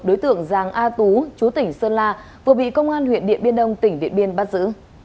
đối tượng giàng a tú chú tỉnh sơn la vừa bị công an huyện điện biên đông tỉnh điện biên bắt giữ